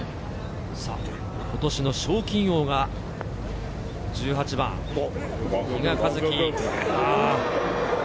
今年の賞金王は１８番、比嘉一貴。